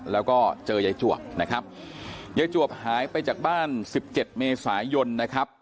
แล้วก็เจอยายจวบนะครับยายจวบหายไปจากบ้าน๑๗เมษายนนะครับ